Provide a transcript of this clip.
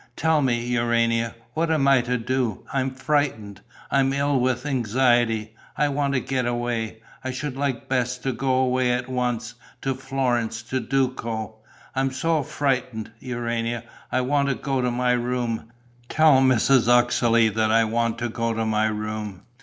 Tell me, Urania, what I am to do. I'm frightened. I'm ill with anxiety. I want to get away. I should like best to go away at once, to Florence, to Duco. I am so frightened, Urania. I want to go to my room. Tell Mrs. Uxeley that I want to go to my room."